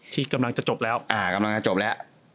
ที่กำลังจะจบแล้ว